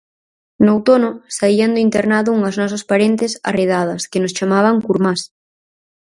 No outono saían do internado unhas nosas parentes arredadas que nos chamaban curmás